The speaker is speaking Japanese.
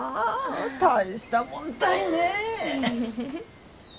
大したもんたいね。